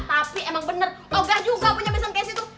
tapi emang bener gogah juga punya besan kaya situ